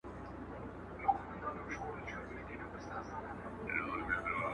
تا پټ کړی تر خرقې لاندي تزویر دی!!